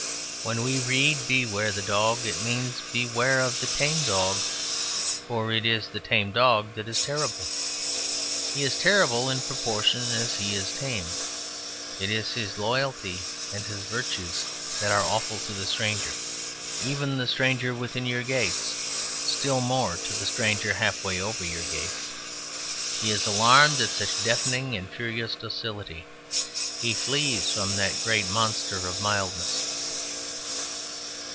When we read "Beware of the Dog," it means beware of the tame dog: for it is the tame dog that is terrible. He is terrible in proportion as he is tame: it is his loyalty and his virtues that are awful to the stranger, even the stranger within your gates; still more to the stranger halfway over your gates. He is alarmed at such deafening and furious docility; he flees from that great monster of mildness.